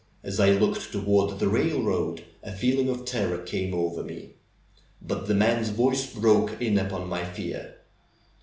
As I looked toward the railroad a feeling of terror came over me. But the man's voice broke in upon my fear.